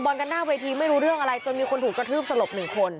กันหน้าเวทีไม่รู้เรื่องอะไรจนมีคนถูกกระทืบสลบหนึ่งคน